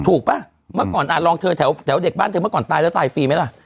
ป่ะเมื่อก่อนลองเธอแถวเด็กบ้านเธอเมื่อก่อนตายแล้วตายฟรีไหมล่ะ